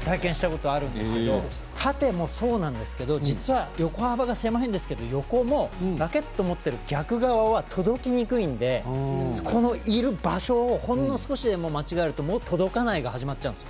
体験したことあるんですけど縦もそうなんですけど実は横も、ラケット持っている逆側は届きにくいのでほんの少しでも間違えると届かないとなっちゃうんです。